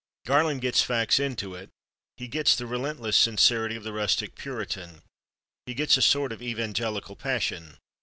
Garland gets facts into it; he gets the relentless sincerity of the rustic Puritan; he gets a sort of evangelical passion.